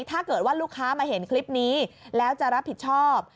ถ้าเกิดว่าลูกค้ามาเห็นคลิปนี้แล้วจะรับผิดชอบ